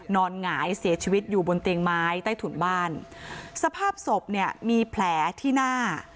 หงายเสียชีวิตอยู่บนเตียงไม้ใต้ถุนบ้านสภาพศพเนี่ยมีแผลที่หน้า